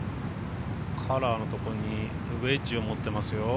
カラーのところにウエッジを持ってますよ。